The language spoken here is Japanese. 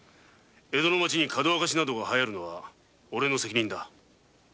江戸の町にかどわかしなどが流行るのは俺の責任だ。